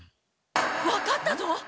分かったぞ！